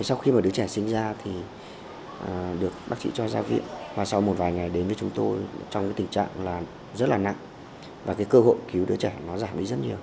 sau khi mà đứa trẻ sinh ra thì được bác sĩ cho ra viện và sau một vài ngày đến với chúng tôi trong cái tình trạng là rất là nặng và cái cơ hội cứu đứa trẻ nó giảm đi rất nhiều